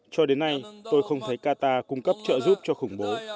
cho đến nay tôi không thấy qatar cung cấp trợ giúp cho khủng bố